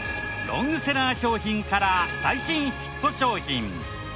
ロングセラー商品から最新ヒット商品。